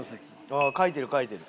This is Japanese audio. ああ書いてる書いてる。